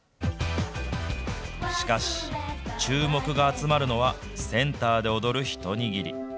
しかし、注目が集まるのはセンターで踊る一握り。